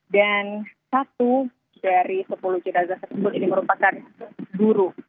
dan satu dari sepuluh jenazah tersebut ini merupakan guru